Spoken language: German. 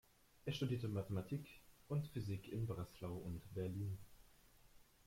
Er studierte Mathematik und Physik in Breslau und Berlin.